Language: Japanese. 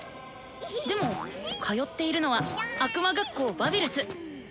でも通っているのは悪魔学校バビルス。